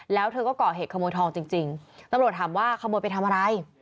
แล้วเธอก็ก่อเหตุขโมยทองจริงตำรวจถามว่าขโมยไปทำอะไร